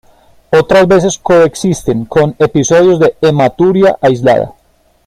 Otras veces coexiste con episodios de hematuria aislada’.